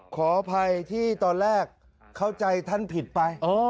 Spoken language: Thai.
ขออภัยที่ตอนแรกเข้าใจท่านผิดไป